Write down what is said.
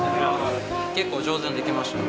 結構上手にできました。